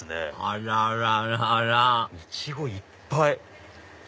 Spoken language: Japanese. あららららイチゴいっぱい！